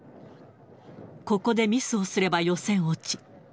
ここでミスをすれば、予選落ち。